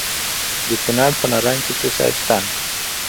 د کونړ په نرنګ کې څه شی شته؟